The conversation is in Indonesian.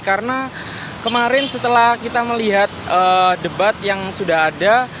karena kemarin setelah kita melihat debat yang sudah ada